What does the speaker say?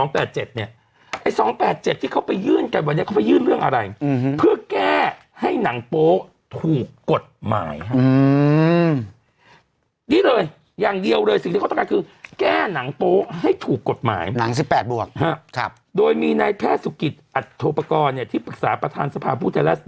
ต้องตามดูกันต่อนะว่าจะจบยังไงสำหรับเรื่องนี้นะครับ